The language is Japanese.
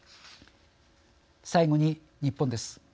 最後に日本です。